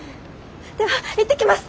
では行ってきます！